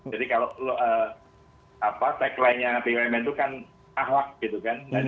jadi kalau tagline nya bumn itu kan ahlak gitu kan